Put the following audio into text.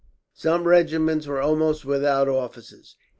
Some regiments were almost without officers.